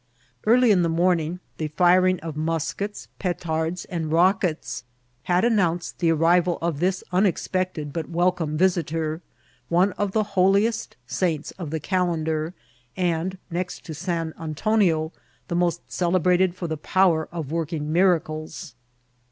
Early in the morning, the firing of nnisketa, petards, and rockets had announced the arriyal of this unexpected but welcome visiter, one of the holiest saints of the calendar, and, next to San Antonio, the most celebrated for the power of working miracles.